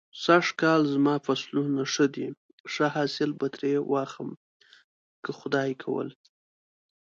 سږ کال زما فصلونه ښه دی. ښه حاصل به ترې واخلم که خدای کول.